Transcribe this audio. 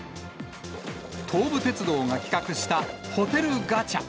東武鉄道が企画したホテルガチャ。